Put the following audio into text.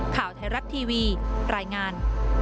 ข่าวไทยรัฐทีวีรายงาน